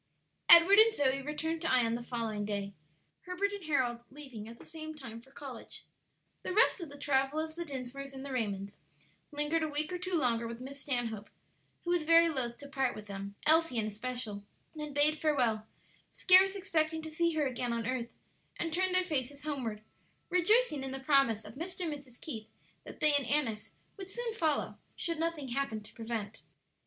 Edward and Zoe returned to Ion the following day, Herbert and Harold leaving at the same time for college. The rest of the Travillas, the Dinsmores, and the Raymonds lingered a week or two longer with Miss Stanhope, who was very loath to part with them, Elsie in especial; then bade farewell, scarce expecting to see her again on earth, and turned their faces homeward, rejoicing in the promise of Mr. and Mrs. Keith that they and Annis would soon follow, should nothing happen to prevent.